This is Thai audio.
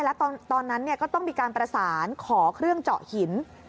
แล้วตอนนั้นก็ต้องมีการประสานขอเครื่องเจาะหิน